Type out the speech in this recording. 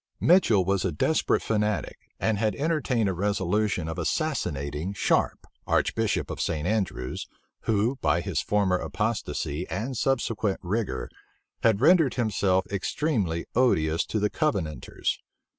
Mitchel was a desperate fanatic, and had entertained a resolution of assassinating Sharpe, archbishop of St. Andrews, who, by his former apostasy and subsequent rigor, had rendered himself extremely odious to the Covenanters.